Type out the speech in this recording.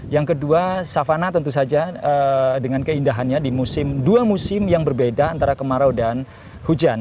yang kedua savana tentu saja dengan keindahannya di dua musim yang berbeda antara kemarau dan hujan